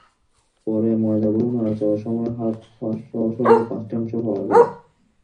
পরে ময়লাগুলো নাড়াচাড়ার সময় হাত, পাসহ শরীরের পাঁচটি অংশ পাওয়া যায়।